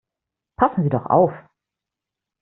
Passen Sie doch auf!